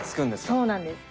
そうなんです。